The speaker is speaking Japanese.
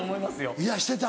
いやしてた。